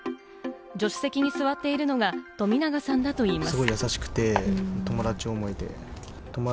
助手席に座っているのが冨永さんだといいます。